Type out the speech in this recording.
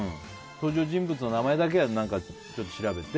登場人物の名前だけは調べて。